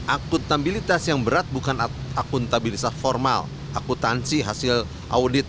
akuntabilitas yang berat bukan akuntabilitas formal akutansi hasil audit